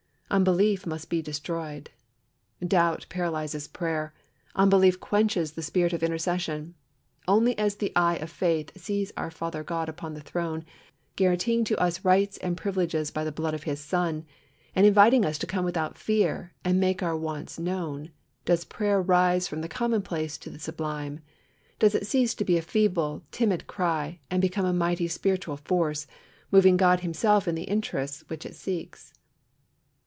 Unbelief must be destroyed. Doubt paralyzes prayer. Unbelief quenches the spirit of intercession. Only as the eye of faith sees our Father God upon the Throne guaranteeing to us rights and privileges by the blood of His Son, and inviting us to come without fear, and make our wants known, does prayer rise from the commonplace to the sublime; does it cease to be a feeble, timid cry, and become a mighty spiritual force, moving God Himself in the interests which it seeks.